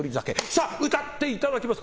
さあ、歌っていただきます。